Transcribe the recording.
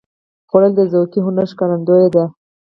خوړل د ذوقي هنر ښکارندویي ده